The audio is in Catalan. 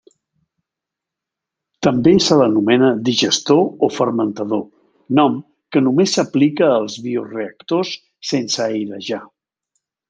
També se l'anomena digestor o fermentador, nom que només s'aplica als bioreactors sense airejar.